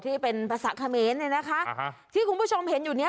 ที่เป็นภาษาเขมรเนี่ยนะคะที่คุณผู้ชมเห็นอยู่เนี้ย